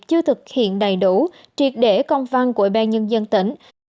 chưa thực hiện đầy đủ triệt để công văn của bàn nhân dân tỉnh